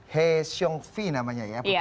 he xiong fi namanya ya putri ya